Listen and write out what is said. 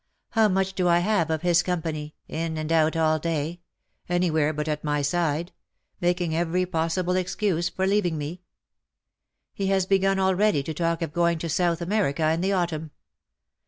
How much do I have of his company — in and out all day — anywhere but at my side — making every possible excuse for leaving me ? He has begun, already, to talk of going to South America in the autumn.